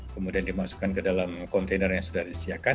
kemudian dimasukkan ke dalam kontainer yang sudah disediakan